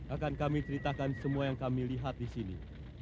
akan kami ceritakan semua yang kami lihat di sini